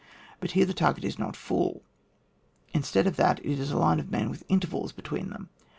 But here the tar« get is not full ; instead of that it is a line of men with intervals between them.